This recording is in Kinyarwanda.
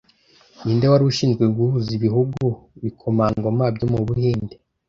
Ninde wari ushinzwe guhuza ibihugu bikomangoma byo mu Buhinde